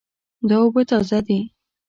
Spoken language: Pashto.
دا اوبه تازه دي